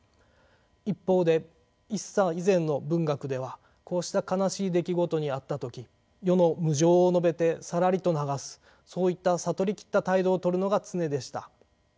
一方で一茶以前の文学ではこうした悲しい出来事に遭った時世の無常を述べてさらりと流すそういった悟り切った態度をとるのが常でした。